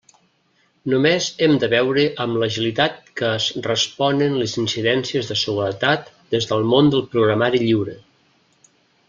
Només hem de veure amb l'agilitat que es responen les incidències de seguretat des del món del programari lliure.